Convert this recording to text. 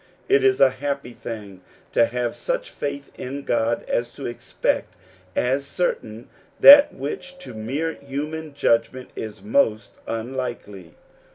It is a happy thing to have such faith in God as to expect as certain that which to mere human judgment is most unlikely.